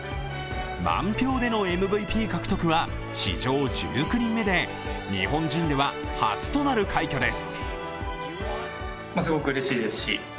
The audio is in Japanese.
満票でのＭＶＰ獲得は史上１９人目で、日本人では初となる快挙です。